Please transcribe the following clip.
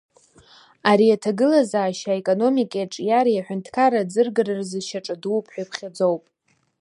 Ари аҭагылазаашьа, аеканомикеи аҿиареи, аҳәынҭқарра аӡыргареи рзы шьаҿа дууп ҳәа иԥхьаӡоуп.